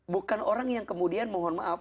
bukan orang yang kemudian mohon maaf